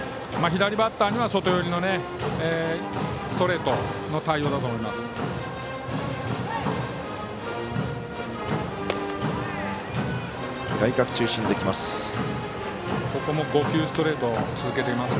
左バッターには外寄りのストレートの対応だと思います。